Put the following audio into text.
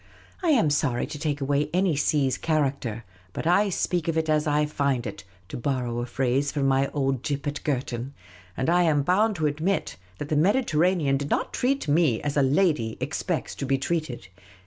I am sorry to take away any sea's character ; but I speak of it as I find it (to borrow a phrase from my old gyp at Girton); and I am bound to admit that the Mediterranean did not treat me as a lady expects to be treated.